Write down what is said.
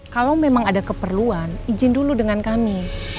kalau memang ada keperluan izin dulu dengan kami